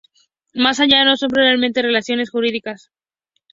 Más allá no son propiamente relaciones jurídicas.